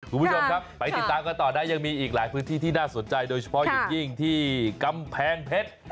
คุณผู้ชมครับไปติดตามกันต่อนะยังมีอีกหลายพื้นที่ที่น่าสนใจโดยเฉพาะอย่างยิ่งที่กำแพงเพชร